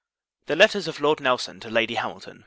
273 THE Letters OF LORD NELSON TO LADY HAMILTON.